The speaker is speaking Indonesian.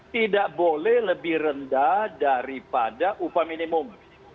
tidak boleh lebih rendah daripada upah minimum